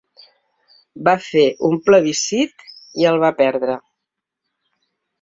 Va fer un plebiscit i el va perdre.